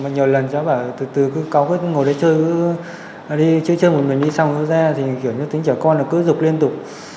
nhiều lần cháu bảo từ từ cứ cầu cứ ngồi đấy chơi chơi chơi một mình đi xong rồi ra thì kiểu như tính trẻ con là cứ dục liên tục